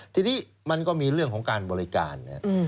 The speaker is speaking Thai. ทีนี้มันก็มีเรื่องของการบริการนะครับ